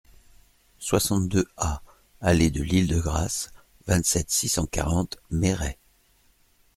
soixante-deux A allée de l'Île de Grâce, vingt-sept, six cent quarante, Merey